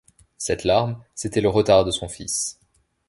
Cette larme, c’était le retard de son fils.